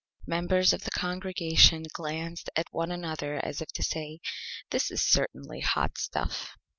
Members of the Congregation glanced at one another as if to say: "This is certainly Hot Stuff!"